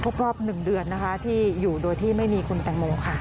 ครบรอบ๑เดือนนะคะที่อยู่โดยที่ไม่มีคุณแตงโมค่ะ